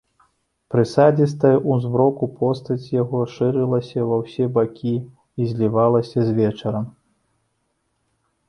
Прысадзістая ў змроку постаць яго шырылася ва ўсе бакі і злівалася з вечарам.